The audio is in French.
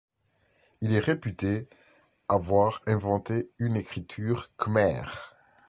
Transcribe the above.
Il est réputé avoir inventé une écriture khmère.